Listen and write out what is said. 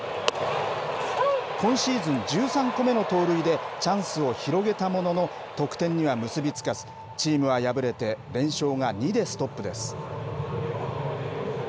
今シーズン１３個目の盗塁でチャンスを広げたものの、得点には結び付かず、チームは敗れて連勝が２でストップです。